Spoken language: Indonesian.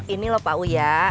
ini loh pak uya